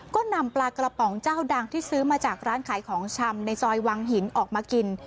ก็นำปลากระป๋องเจ้าดังที่ซื้อมาจากร้านขายของชำในซอยวังหินออกมากิน